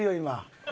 今。